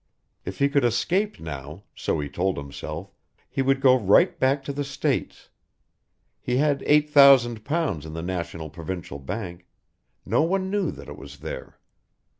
If he could escape now, so he told himself, he would go right back to the States. He had eight thousand pounds in the National Provincial Bank; no one knew that it was there.